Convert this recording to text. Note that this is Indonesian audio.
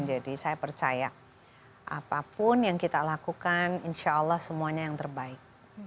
jadi saya percaya apapun yang kita lakukan insya allah semuanya yang terbaik